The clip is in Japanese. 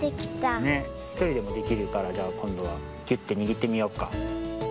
ひとりでもできるからじゃあこんどはぎゅってにぎってみよっか。